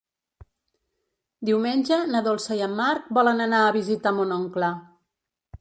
Diumenge na Dolça i en Marc volen anar a visitar mon oncle.